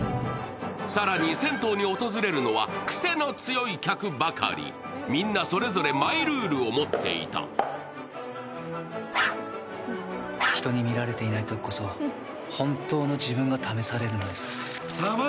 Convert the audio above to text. さらに銭湯に訪れるのはクセの強い客ばかりみんなそれぞれマイルールを持っていた人に見られていない時こそ本当の自分が試されるのです寒い！